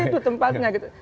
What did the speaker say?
di situ tempatnya gitu